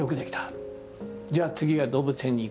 じゃあ次は動物園に行こう」とか。